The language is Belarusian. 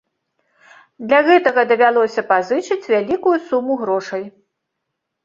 Для гэтага давялося пазычыць вялікую суму грошай.